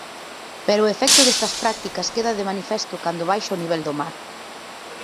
Pero o efecto destas prácticas queda de manifesto cando baixa o nivel do mar.